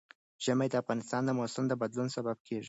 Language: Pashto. ژمی د افغانستان د موسم د بدلون سبب کېږي.